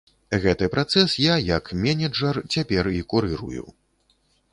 Гэты працэс я як менеджэр цяпер і курырую.